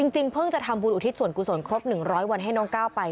เพิ่งจะทำบุญอุทิศส่วนกุศลครบ๑๐๐วันให้น้องก้าวไป